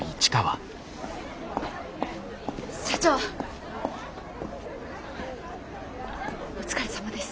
社長お疲れさまです。